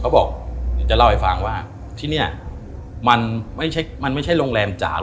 เขาบอกเดี๋ยวจะเล่าให้ฟังว่าที่เนี่ยมันไม่ใช่โรงแรมจ่า๑๐๐